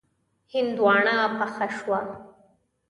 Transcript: هندواڼه پخه شوه.